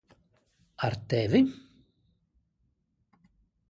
Ar tevi?